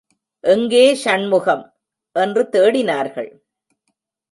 எங்கே ஷண்முகம்? என்று தேடினார்கள்.